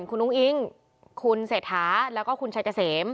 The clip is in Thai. คุณอุ้งอิงคุณเศรษฐาแล้วก็คุณชัยเกษม